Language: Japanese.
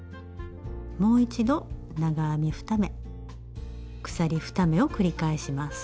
もう一度長編み２目鎖２目を繰り返します。